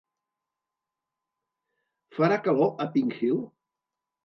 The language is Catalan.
Farà calor a Pink Hill?